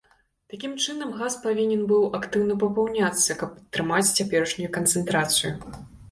Такім чынам, газ павінен быў актыўна папаўняцца, каб падтрымаць цяперашнюю канцэнтрацыю.